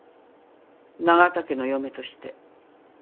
永田家の嫁として。